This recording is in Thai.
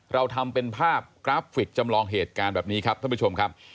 เราทำเป็นภาพกราฟิกจำลองเหตุการณ์แบบนี้ครับท่านผู้ชมครับ